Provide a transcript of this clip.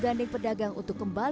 dan menjaga kemampuan